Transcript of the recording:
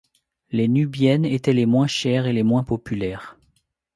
Les Nubiennes étaient les moins chères et les moins populaires.